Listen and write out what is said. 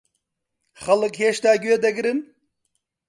خەڵک هێشتا گوێ دەگرن؟